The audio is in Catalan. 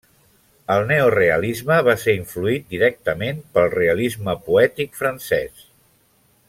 El neorealisme va ser influït directament pel realisme poètic francès.